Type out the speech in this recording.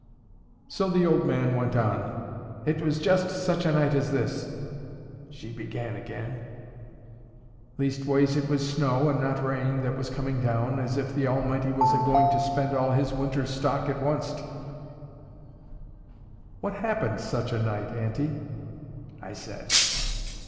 So the old man went on. "'It was just such a night as this,' she began again—'leastways it was snow and not rain that was coming down, as if the Almighty was a going to spend all His winter stock at oncet.'—'What happened such a night, auntie?' I said.